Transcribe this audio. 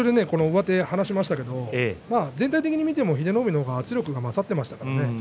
上手を離しましたが全体的に見ても英乃海の方が圧力が勝っていました。